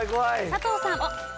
佐藤さん。